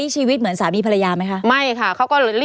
จดทะเบียนกันแล้ว